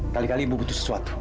kali kali ibu butuh sesuatu